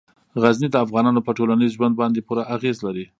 غزني د افغانانو په ټولنیز ژوند باندې پوره اغېز لري.